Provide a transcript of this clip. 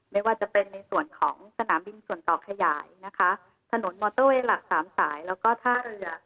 ไม่ว่าจะเป็นในส่วนของสนามบินส่วนต่อขยายนะคะถนนมอเตอร์เวย์หลักสามสายแล้วก็ท่าเรือ